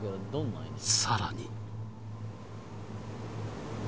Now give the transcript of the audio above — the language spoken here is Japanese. さらに